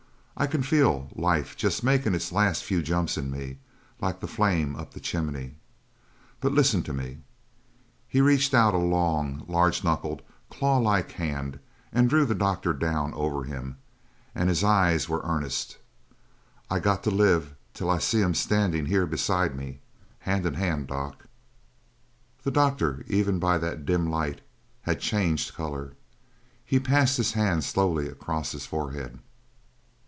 I can feel life jest makin' its last few jumps in me like the flame up the chimney. But listen to me " he reached out a long, large knuckled, claw like hand and drew the doctor down over him, and his eyes were earnest "I got to live till I see 'em standin' here beside me, hand in hand, doc!" The doctor, even by that dim light, had changed colour. He passed his hand slowly across his forehead.